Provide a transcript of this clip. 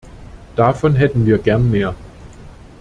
Davon hätten wir gern mehr.